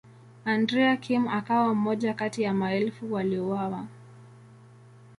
Andrea Kim akawa mmoja kati ya maelfu waliouawa.